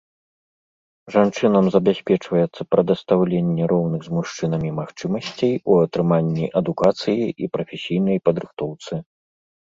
Жанчынам забяспечваецца прадастаўленне роўных з мужчынамі магчымасцей у атрыманні адукацыі і прафесійнай падрыхтоўцы.